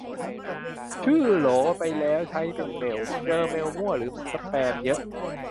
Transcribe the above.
ชื่อโหลแล้วไปใช้เป็นเมล เจอเมลมั่วหรือสแปมเยอะ